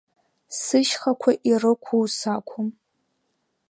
Сышьхақәа ирықәу сақәым…